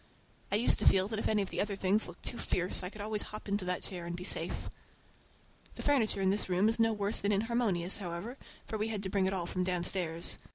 I used to feel that if any of the other things looked too fierce I could always hop into that chair and be safe. The furniture in this room is no worse than inharmonious, however, for we had to bring it all from downstairs.